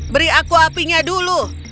beri aku apinya dulu